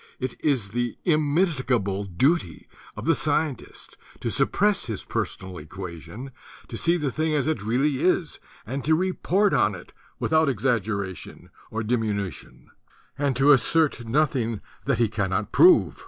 It is the immitigable duty of the scien tist to suppress his personal equation, to see the thing as it really is, and to report on it without exaggeration or diminution, and to assert noth ing that he cannot prove.